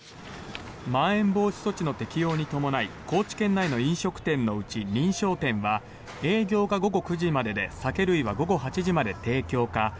まん延防止措置の適用に伴い高知県内の飲食店のうち認証店は営業が午後９時までで酒類は午後８時まで提供か